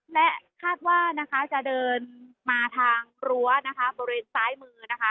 และคาดว่าจะเดินมาทางรั้วบริเวณซ้ายมือ